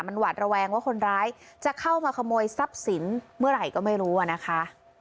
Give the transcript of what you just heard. มันหวาดระแวงว่าคนร้ายจะเข้ามาขโมยทรัพย์สินเมื่อไหร่ก็ไม่รู้อะนะคะ